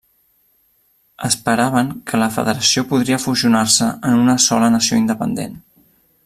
Esperaven que la Federació podria fusionar-se en una sola nació independent.